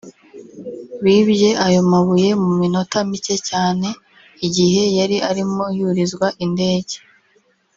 bibye ayo mabuye mu minota mike cyane mu gihe yari arimo yurizwa indege